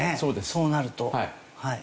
そうなると。